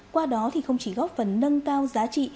qua đó thì không chỉ góp phần nâng cao giá trị